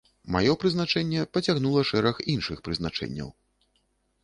Маё прызначэнне пацягнула шэраг іншых прызначэнняў.